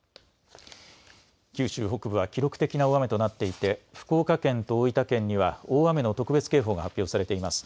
九州北部は記録的な大雨となっていて福岡県と大分県には大雨の特別警報が発表されています。